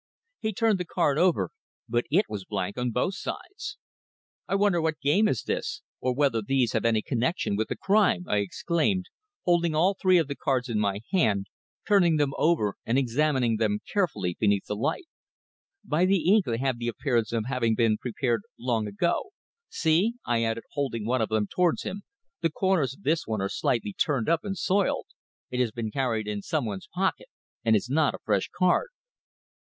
He turned the card over, but it was blank on both sides. "I wonder what game is this, or whether these have any connexion with the crime?" I exclaimed, holding all three of the cards in my hand, turning them over and examining them carefully beneath the light. "By the ink they have the appearance of having been prepared long ago. See!" I added, holding one of them towards him, "the corners of this one are slightly turned up and soiled. It has been carried in some one's pocket, and is not a fresh card."